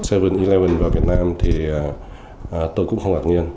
bảy eleven vào việt nam thì tôi cũng không ngạc nhiên